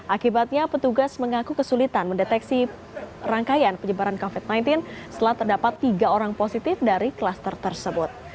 akibatnya petugas mengaku kesulitan mendeteksi rangkaian penyebaran covid sembilan belas setelah terdapat tiga orang positif dari klaster tersebut